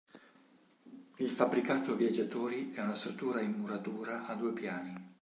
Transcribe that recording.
Il fabbricato viaggiatori è una struttura in muratura a due piani.